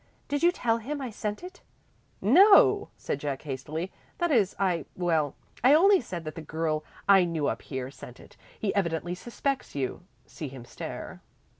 Did you tell him I sent it?" "No," said Jack hastily, "that is I well, I only said that the girl I knew up here sent it. He evidently suspects you. See him stare."